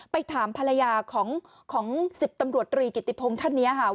ไปถามภรรยาของ๑๐ตำรวจตรีกิติพงศ์ท่านนี้ค่ะ